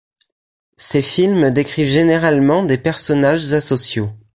Ses films décrivent généralement des personnages asociaux.